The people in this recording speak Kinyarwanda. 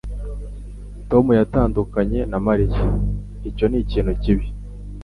"Tom yatandukanye na Mariya." "Icyo ni ikintu kibi?"